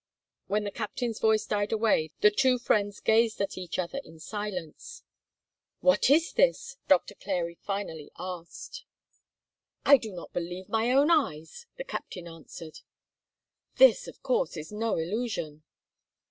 When the captain's voice died away, the two friends gazed at each other in silence. "What is this?" Doctor Clary finally asked. "I do not believe my own eyes!" the captain answered. "This, of course, is no illusion."